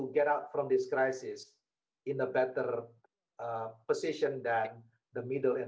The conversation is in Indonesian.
jika mereka bisa menghapuskan diri mereka